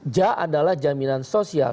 ja adalah jaminan sosial